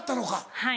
はい。